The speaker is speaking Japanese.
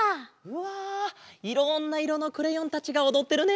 わあいろんないろのクレヨンたちがおどってるね！